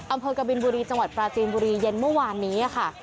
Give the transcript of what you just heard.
กบินบุรีจังหวัดปราจีนบุรีเย็นเมื่อวานนี้ค่ะ